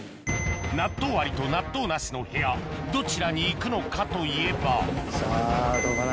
納豆ありと納豆なしの部屋どちらに行くのかといえばさぁどうかな。